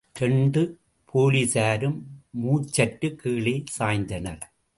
இரண்டு போலிஸாரும் மூச்சற்றுக் கீழே சாய்ந்தனர்.